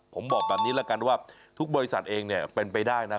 ผมบอกแบบนี้ละกันว่าทุกบริษัทเองเป็นไปได้นะครับ